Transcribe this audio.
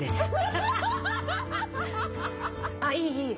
・ああいいいい。